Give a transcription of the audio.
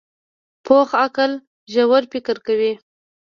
پوخ عقل ژور فکر کوي